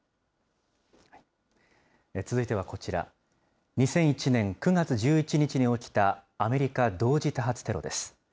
続いてはこちら、２００１年９月１１日に起きたアメリカ同時多発テロです。